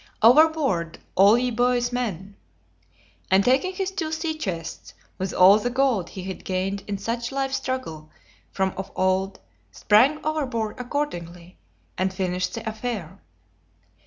Overboard, all ye Bue's men!" And taking his two sea chests, with all the gold he had gained in such life struggle from of old, sprang overboard accordingly, and finished the affair.